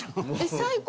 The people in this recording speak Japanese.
最高！